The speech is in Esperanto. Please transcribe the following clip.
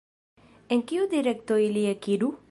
En kiu direkto ili ekiru?